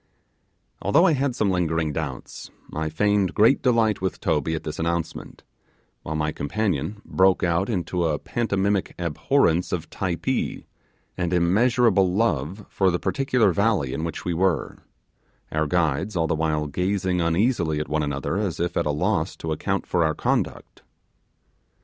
Although I had some lingering doubts, I feigned great delight with Toby at this announcement, while my companion broke out into a pantomimic abhorrence of Typee, and immeasurable love for the particular valley in which we were; our guides all the while gazing uneasily at one another as if at a loss to account for our conduct.